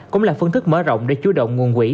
cũng là phương thức mở rộng để chú động nguồn quỹ